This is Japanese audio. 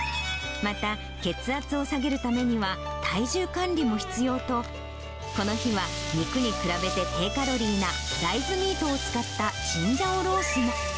また血圧を下げるためには、体重管理も必要と、この日は、肉に比べて低カロリーな大豆ミートを使ったチンジャオロースも。